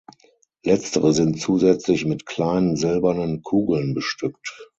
Letztere sind zusätzlich mit kleinen silbernen Kugeln bestückt.